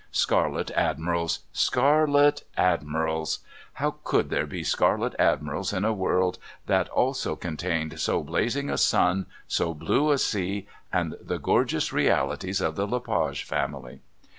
Scarlet Admirals! Scarlet Admirals! How could there be Scarlet Admirals in a world that also contained so blazing a sun, so blue a sea, and the gorgeous realities of the Le Page family.